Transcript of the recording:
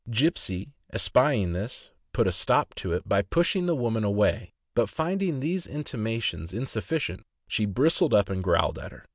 Gipsey, espying this, put a stop to it by pushing the woman away; but finding these intimations insufficient, she bristled up and growled at her.